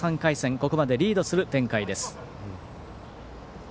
ここまでリードする展開です。